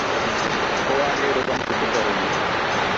ও আগে এরকম কিছু করেনি।